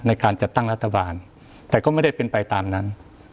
ในการจัดตั้งรัฐบาลแต่ก็ไม่ได้เป็นไปตามนั้น